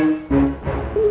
bukan mau jual tanah